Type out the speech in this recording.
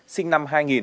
sinh năm hai nghìn